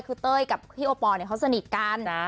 คือเต้ยกับพี่โอปอลเขาสนิทกัน